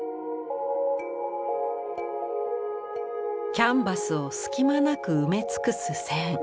キャンバスを隙間なく埋め尽くす線。